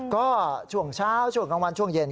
ก็ช่วงเช้าช่วงกลางวันช่วงเย็น